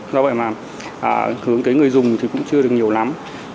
do vậy mà hướng tới người dùng thì cũng chưa được nhiều lắm